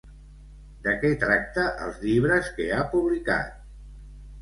De què tracta els llibres que ha publicat?